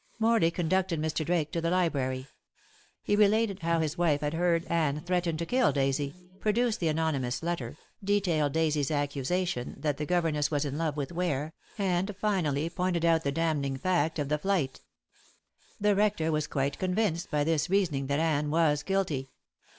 Morley conducted Mr. Drake to the library. He related how his wife had heard Anne threaten to kill Daisy, produced the anonymous letter, detailed Daisy's accusation that the governess was in love with Ware, and finally pointed out the damning fact of the flight. The rector was quite convinced by this reasoning that Anne was guilty.